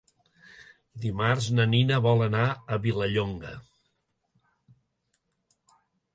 Dimarts na Nina vol anar a Vilallonga.